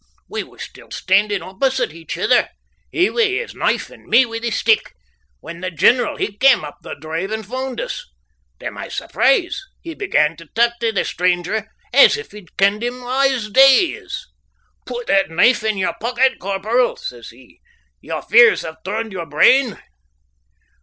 We were still standin' opposite each ither he wi' his knife and me wi' the stick when the general he cam up the drive and foond us. Tae my surprise he began tae talk tae the stranger as if he'd kenned him a' his days. "Put your knife in your pocket, Corporal," says he. "Your fears have turned your brain."